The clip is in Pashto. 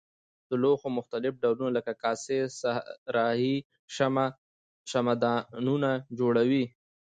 د لوښو مختلف ډولونه لکه کاسې صراحي شمعه دانونه جوړوي.